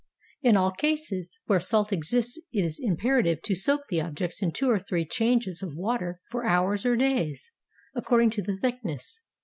In all cases where salt exists it is imperative to soak the objects in two or three changes of water for hours or days, accord ing to the thickness.